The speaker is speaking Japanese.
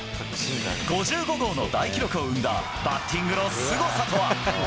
５５号の大記録を生んだ、バッティングのすごさとは。